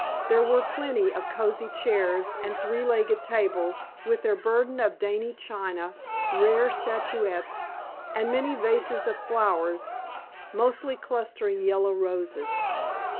There were plenty of cosy chairs, and three legged tables, with their burden of dainty china, rare statuettes, and many vases of flowers, mostly clustering yellow roses.